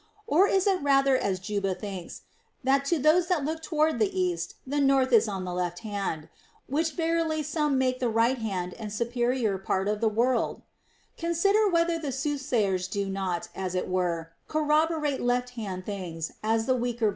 Or is it rather as Juba thinks, that to those that look toward the east the north is on the left hand, which verily some make the right hand and superior part of the world I Consider whether the soothsayers do not, as it were, corroborate left hand things, as the weaker 216 THE ROMAN QUESTIONS.